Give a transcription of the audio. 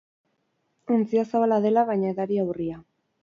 Ontzia zabala dela, baina edaria urria.